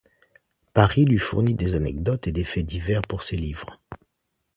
Paris lui fournit des anecdotes et des faits divers pour ses livres.